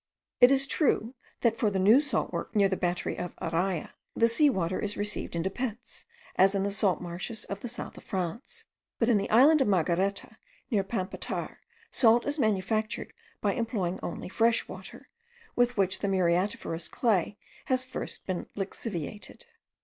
It is true, that for the new salt work near the battery of Araya, the seawater is received into pits, as in the salt marshes of the south of France; but in the island of Margareta, near Pampatar, salt is manufactured by employing only fresh water, with which the muriatiferous clay has first been lixiviated.